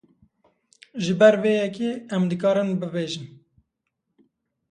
Ji ber vê yekê, em dikarin bibêjin.